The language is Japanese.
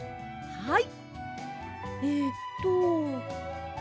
はい。